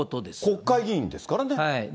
国会議員ですからね。